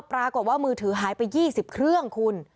ปรากฏว่ามือถือหายไป๒๐เครื่องคุณ